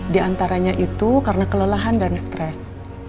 di antaranya itu karena kelelahan dan stres